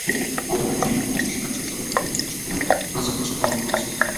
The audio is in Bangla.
ভারতের কয়েকটি সংবাদপত্রে অস্ত্রশিক্ষার ছবিসহ প্রতিবেদন প্রকাশিত হওয়ায় রাজ্য পুলিশের টনক নড়েছে।